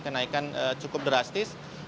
kenaikan cukup drastis